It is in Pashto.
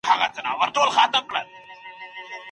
ولي زیارکښ کس د پوه سړي په پرتله بریا خپلوي؟